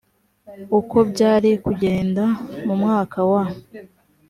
uko byari kugenda mu mwaka wa